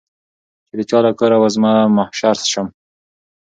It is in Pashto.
چي د چا له کوره وزمه محشر سم